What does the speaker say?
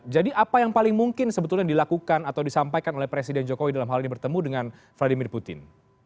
jadi apa yang paling mungkin sebetulnya dilakukan atau disampaikan oleh presiden jokowi dalam hal ini bertemu dengan vladimir putin